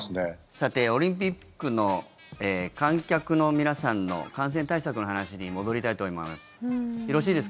さて、オリンピックの観客の皆さんの感染対策の話に戻りたいと思います。